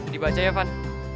di baca ya van